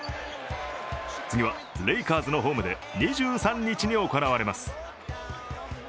次はレイカーズのホームで２３日に行われます。